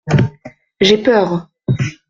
J’ai peur.